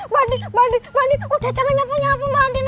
mbak andin mbak andin udah jangan nyapu nyapu mbak andin